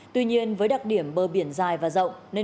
tuy nhiên với đặc điểm bờ biển dài và rộng